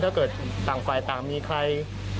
ถ้าเกิดต่างฝ่ายต่างมีใคร